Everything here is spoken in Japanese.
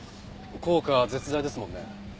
効果は絶大ですもんね。